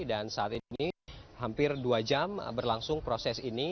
dan saat ini hampir dua jam berlangsung proses ini